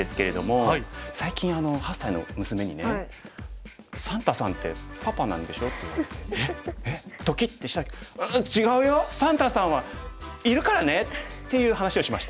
最近８歳の娘にね「サンタさんってパパなんでしょ？」って言われてドキッとした「うん違うよ」。っていう話をしました。